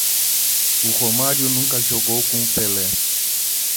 O Romário nunca jogou com o Pelé.